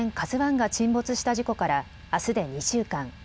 ＫＡＺＵＩが沈没した事故からあすで２週間。